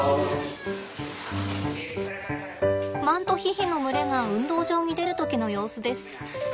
マントヒヒの群れが運動場に出る時の様子です。